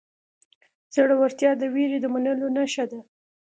زړورتیا د وېرې د منلو نښه ده.